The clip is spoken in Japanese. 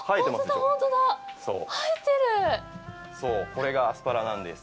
これがアスパラなんです。